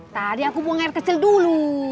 tadi aku buang air kecil dulu